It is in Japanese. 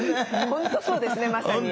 本当そうですねまさに。